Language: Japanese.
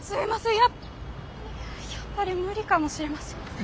やっぱやっぱり無理かもしれません。